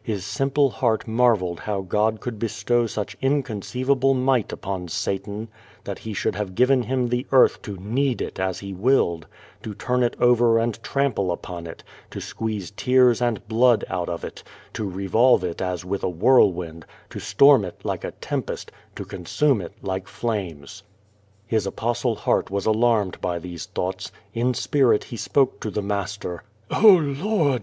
His simple heart marveled how God could be stow such inconceivable miglit upon Satan, that he should have given him the earth to knead it as he willed, to turn Jt over and trample upon it, to squeeze tears and blood out of it, to revolve it as with a whirlwind, to storm it like a tempest, to consume it like llames. His Apostle heart was alarmed by these thoughts. In spirit he spoke to the blaster. 0h, Lord!"